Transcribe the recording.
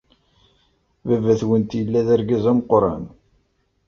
Baba-twent yella d argaz ameqran.